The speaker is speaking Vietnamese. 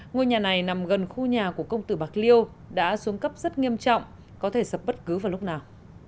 ngôi nhà này nằm gần khu nhà của công tử bạc liêu đã xuống cấp rất nghiêm trọng có thể sập bất cứ vào lúc nào